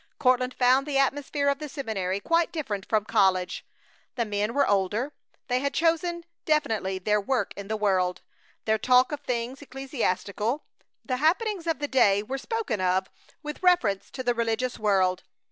Courtland found the atmosphere of the seminary quite different from college. The men were older. They had chosen definitely their work in the world. Their talk was of things ecclesiastical. The happenings of the day were spoken of with reference to the religious world.